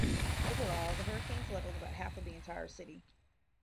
Overall, the hurricane leveled about half of the entire city.